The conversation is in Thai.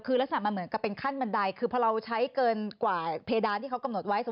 คือลักษณะมันเหมือนกับเป็นขั้นบันไดคือพอเราใช้เกินกว่าเพดานที่เขากำหนดไว้